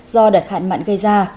do đợt hạn mạn gây ra